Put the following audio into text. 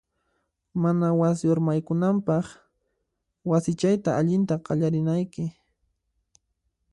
Mana wasi urmaykunanpaq, wasichayta allinta qallarinayki.